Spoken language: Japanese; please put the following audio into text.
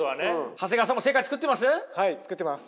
長谷川さんも世界つくってます？